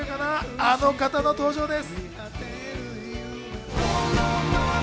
あの方の登場です。